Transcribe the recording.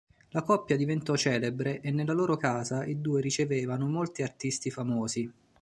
La coppia diventò celebre e nella loro casa i due ricevevano molti artisti famosi.